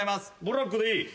ブラックでいい？